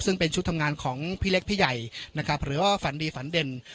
ซึ่งเป็นชุดทำงานของพี่เล็กพี่ใหญ่นะครับหรือว่าฝันดีฝันเด่น